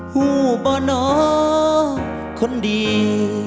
โหบ่น้องคนดี